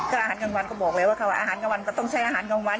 ก็อาหารกลางวันก็บอกแล้วว่าอาหารกลางวันก็ต้องใช้อาหารกลางวัน